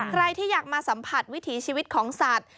ใครที่อยากมาสัมผัสวิถีชีวิตของสัตว์